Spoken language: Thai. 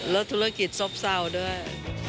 และธุรกิจซ่อมเศร้าด้วย